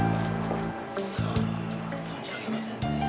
さあ存じ上げませんねえ。